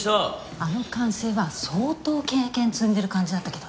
あの管制は相当経験積んでる感じだったけどね。